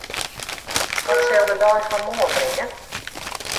Wat sil de dei fan moarn bringe?